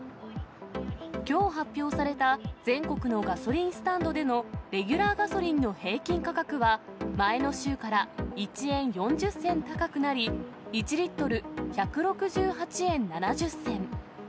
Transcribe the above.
きょう発表された、全国のガソリンスタンドでのレギュラーガソリンの平均価格は、前の週から１円４０銭高くなり、１リットル１６８円７０銭。